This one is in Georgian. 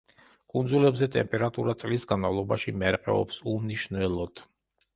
კუნძულებზე ტემპერატურა წლის განმავლობაში მერყეობს უმნიშვნელოდ.